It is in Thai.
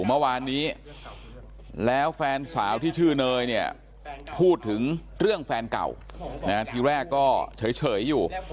เมื่อวานนี้แล้วแฟนสาวที่ชื่อเนยเนี่ยพูดถึงเรื่องแฟนเก่าทีแรกก็เฉยอยู่